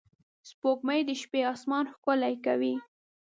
سپوږمۍ د شپې آسمان ښکلی کوي